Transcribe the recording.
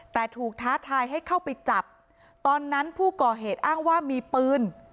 แต่ถูกท้าทายให้เข้าไปจับตอนนั้นผู้ก่อเหตุอ้างว่ามีปืน